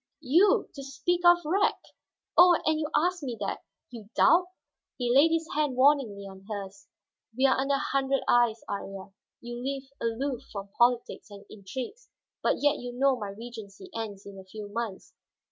You, you to speak of wreck! Oh, and you ask me that, you doubt?" He laid his hand warningly on hers. "We are under a hundred eyes, Iría. You live aloof from politics and intrigues, but yet you know my regency ends in a few months."